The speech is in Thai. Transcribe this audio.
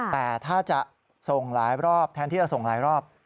แต่ถ้าจะส่งหลายรอบแทนที่จะส่งหลายรอบ